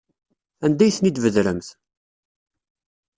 Anda ay ten-id-tbedremt?